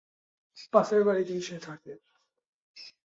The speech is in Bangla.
পাশের বাড়িতেই সে থাকে।